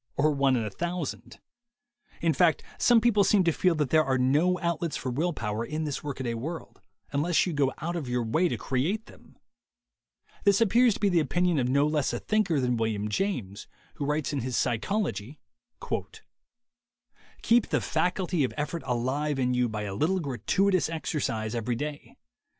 or one in a thousand. In fact, some people seem THE WAY TO WILL POWER 131 to feel that there are no outlets for will power in this workaday world, unless you go out of your way to create them. This appears to be the opinion of no less a thinker than William James, who writes in his Psychology : "Keep the faculty o£ effort alive in you by a little gratuitous exercise every day.